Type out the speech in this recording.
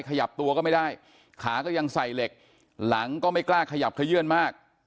ขยับตัวก็ไม่ได้ขาก็ยังใส่เหล็กหลังก็ไม่กล้าขยับขยื่นมาก